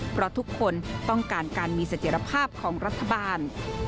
เพราะทุกคนต้องการการมีเสถียรภาพของรัฐบาล